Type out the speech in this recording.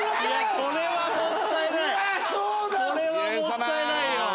これはもったいないよ。